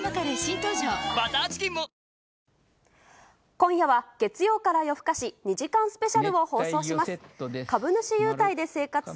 今夜は月曜から夜ふかし２時間スペシャルを放送します。